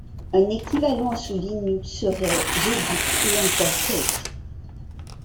Un équivalent sous Linux serait Gedit ou encore Kate.